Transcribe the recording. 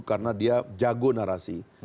karena dia jago narasi